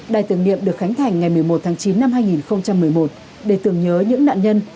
đài tưởng niệm được khánh thành ngày một mươi một tháng chín năm hai nghìn một mươi một để tưởng nhớ những nạn nhân